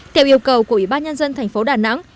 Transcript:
theo yêu cầu của ubnd tp đà nẵng